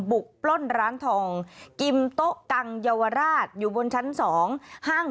บุกปล้นร้านทองกิมโตะกังยาวาราชอยู่บนชั้นสองห้าง